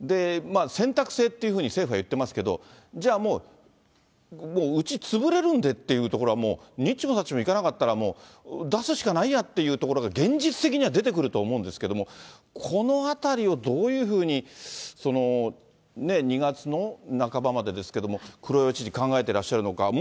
選択制っていうふうに政府は言ってますけど、じゃあもう、うち潰れるんでっていう所は、にっちもさっちもいかなかったら、出すしかないやっていうところが現実的には出てくると思うんですけれども、このあたりをどういうふうに、２月の半ばまでですけれども、黒岩知事、考えていらっしゃるのか。